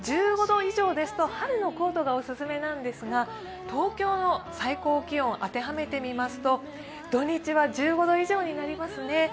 １５度以上ですと春のコートがオススメなんですが東京の最高気温当てはめてみますと土日は１５度以上になりますね。